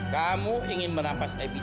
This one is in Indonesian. kamu ingin merapas evita